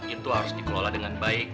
itu harus dikelola dengan baik